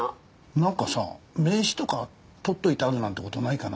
なんかさ名刺とか取っといてあるなんて事ないかな？